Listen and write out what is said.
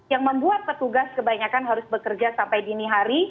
yang membuat petugas kebanyakan harus bekerja sampai dini hari